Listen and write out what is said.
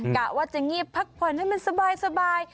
กะว่าจะเงียบพักผ่อนให้มันสบาย